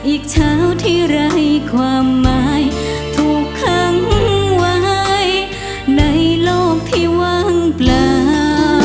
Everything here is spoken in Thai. อีกเช้าที่ไร้ความหมายถูกค้างไว้ในโลกที่วางปลา